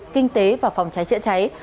kinh tế và phòng cháy triển cháy